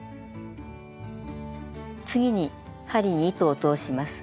次に針に糸を通します。